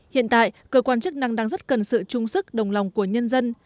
hiện tại cơ quan chức năng đang rất cần sự trung sức đồng lòng của nhân dân